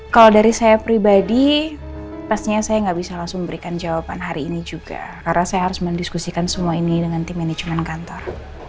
pastinya saya gak bisa langsung berikan jawaban hari ini juga karena saya harus mendiskusikan semua ini dengan tim manajemen kantor